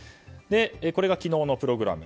これが昨日のプログラム。